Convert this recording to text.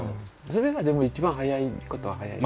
それがでも一番早いことは早い。